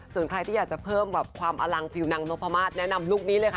ส่วนใครที่อยากจะเพิ่มความอลังฟิลนางนพมาสแนะนำลุคนี้เลยค่ะ